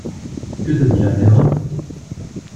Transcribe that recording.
Que t'a dit la mère?